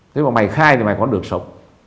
thế mà mày khai thì mày còn được sống